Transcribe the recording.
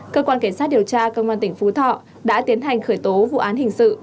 cơ quan cảnh sát điều tra công an tỉnh phú thọ đã tiến hành khởi tố vụ án hình sự